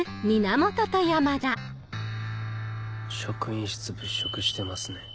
職員室物色してますね。